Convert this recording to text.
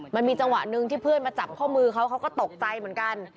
มันมีจังหวะหนึ่งที่เพื่อนมาจับข้อมือเขาเขาก็ตกใจเหมือนกัน